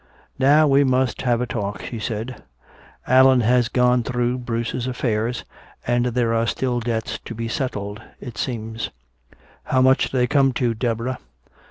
"Now we must have a talk," she said. "Allan has gone through Bruce's affairs, and there are still debts to be settled, it seems." "How much do they come to, Deborah?"